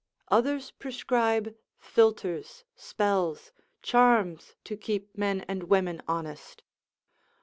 Others prescribe filters, spells, charms to keep men and women honest.